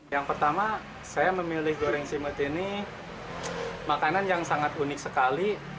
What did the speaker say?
yang pertama saya memilih goreng simet ini makanan yang sangat unik sekali